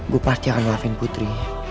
gue pasti akan lafin putri